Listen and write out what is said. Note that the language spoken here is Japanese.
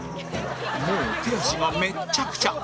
もう手足がめっちゃくちゃ